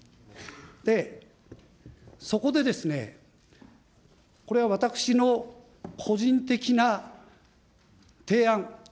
そこでですね、これは私の個人的な提案。